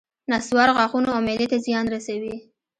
نصوار غاښونو او معدې ته زیان رسوي